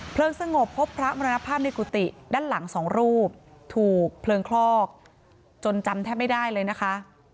สงบพบพระมรณภาพในกุฏิด้านหลังสองรูปถูกเพลิงคลอกจนจำแทบไม่ได้เลยนะคะ